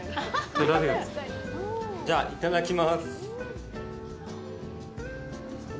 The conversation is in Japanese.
じゃあ、いただきます。